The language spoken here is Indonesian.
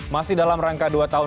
masih dalam rangka dua tahun